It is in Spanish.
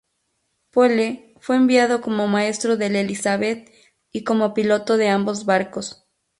Poole fue enviado como maestro del "Elizabeth" y como piloto de ambos barcos.